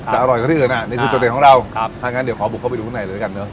อร่อยกว่าที่อื่นอ่ะนี่คือจุดเด่นของเราครับถ้างั้นเดี๋ยวขอบุกเข้าไปดูข้างในเลยแล้วกันเนอ